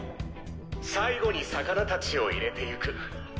最後に魚たちを入れていく。